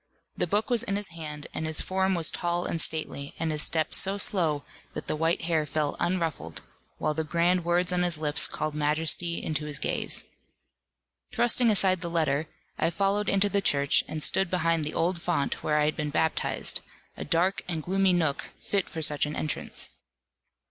The book was in his hand, and his form was tall and stately, and his step so slow, that the white hair fell unruffled, while the grand words on his lips called majesty into his gaze. Thrusting aside the letter, I followed into the Church, and stood behind the old font where I had been baptized; a dark and gloomy nook, fit for such an entrance.